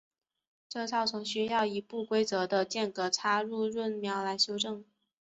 这造成需要以不规则的间隔插入闰秒来修正。